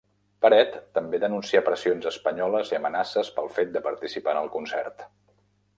Peret també denuncià pressions espanyoles i amenaces pel fet de participar en el concert.